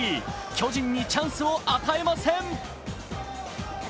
巨人にチャンスを与えません。